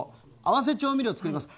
合わせ調味料をつくります。